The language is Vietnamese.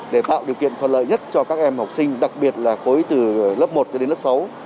để tạo điều kiện thuận lợi nhất cho các em học sinh đặc biệt là khối từ lớp một cho đến lớp sáu